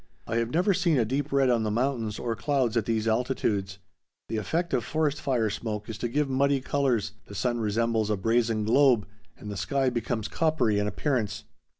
I have never seen a deep red on the mountains or clouds at these altitudes. The effect of forest fire smoke is to give muddy colors: the sun resembles a brazen globe, and the sky becomes coppery in appearance.